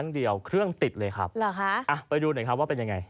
มีแปลงขับขี่ป่าว